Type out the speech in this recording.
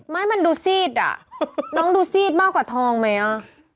ไม่มันดูซีดอ่ะน้องดูซีดมากกว่าทองไหมอ่ะ